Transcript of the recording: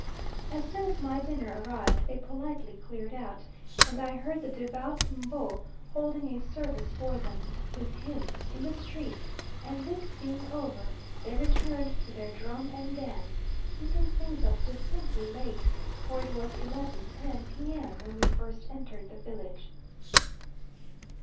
As soon as my dinner arrived they politely cleared out, and I heard the devout M'bo holding a service for them, with hymns, in the street, and this being over they returned to their drum and dance, keeping things up distinctly late, for it was 11.10 P.M. when we first entered the village.